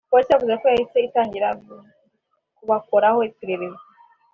Polisi yavuze ko yahise itangira kubakoraho iperereza